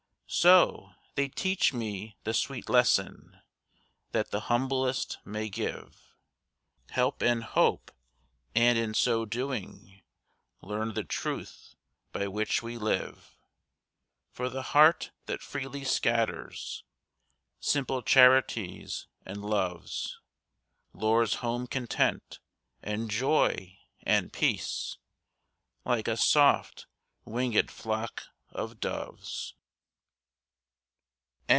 So, they teach me the sweet lesson, That the humblest may give Help and hope, and in so doing, Learn the truth by which we live; For the heart that freely scatters Simple charities and loves, Lures home content, and joy, and peace, Like a soft winged flock of doves.